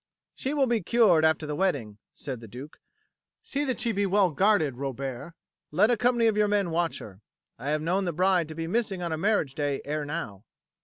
"She will be cured after the wedding," said the Duke. "But see that she be well guarded, Robert; let a company of your men watch her. I have known the bride to be missing on a marriage day ere now."